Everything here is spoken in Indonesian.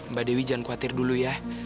mbak dewi jangan khawatir dulu ya